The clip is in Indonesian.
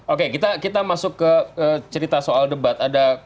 oke kita masuk ke cerita soal debat